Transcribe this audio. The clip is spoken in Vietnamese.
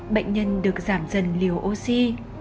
bệnh nhân được giảm dần liều oxy